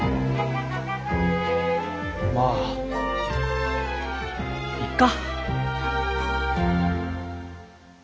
まあいっか。